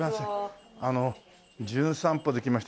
あの『じゅん散歩』で来ました